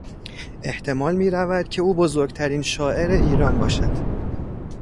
احتمال میرود که او بزرگترین شاعر ایران باشد.